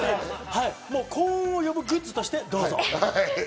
幸運を呼ぶグッズとしてどうぞ。